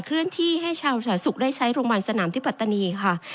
เลื่อนที่ให้ชาวสาธารณสุขได้ใช้โรงพยาบาลสนามที่ปัตตานีค่ะ